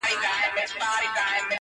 چي يې زړونه سوري كول د سركښانو!.